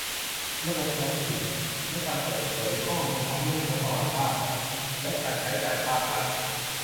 ระดับท้องถิ่น และเปิดเผยข้อมูลทั้งเรื่องงบประมาณภาครัฐ และ การใช้จ่ายภาครัฐ